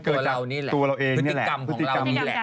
เกิดจากตัวเราเองเนี่ยแหละ